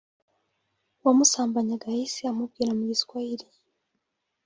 uwamusambanyaga yahise amubwira mu Giswahili